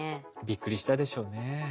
びっくりしたでしょうね。